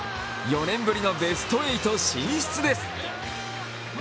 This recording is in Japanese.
４年ぶりのベスト８進出です。